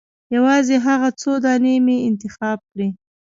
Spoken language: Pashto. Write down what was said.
یوازې هغه څو دانې مې انتخاب کړې.